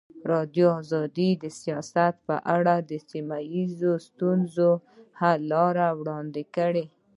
ازادي راډیو د سیاست په اړه د سیمه ییزو ستونزو حل لارې راوړاندې کړې.